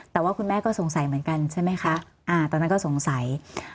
แต่ว่าคุณแม่ก็สงสัยเหมือนกันใช่ไหมคะอ่าตอนนั้นก็สงสัย